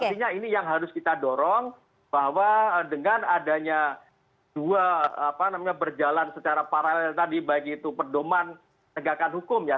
artinya ini yang harus kita dorong bahwa dengan adanya dua apa namanya berjalan secara paralel tadi baik itu perdoman tegakan hukum ya